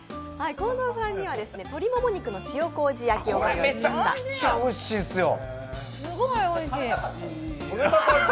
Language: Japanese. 近藤さんには鶏モモ肉の塩麹焼を御用意しました。